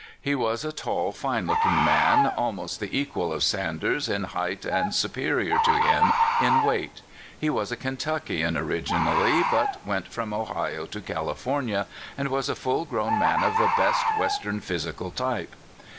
He was a tall, fine looking man, almost the equal of Sanders in height, and superior to him in weight. He was a Kentuckian origi nally, but went from Ohio to California, and was a full grown man, of the best Western physical type.